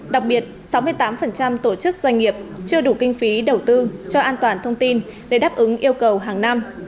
đặc biệt sáu mươi tám tổ chức doanh nghiệp chưa đủ kinh phí đầu tư cho an toàn thông tin để đáp ứng yêu cầu hàng năm